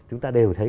chúng ta đều thấy